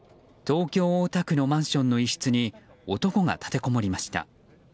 東京・大田区のマンションの一室に男が立てこもりました。